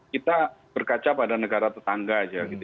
kita berkaca pada negara tetangga